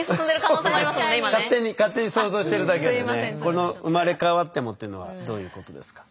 この「生まれ変わっても」っていうのはどういうことですか？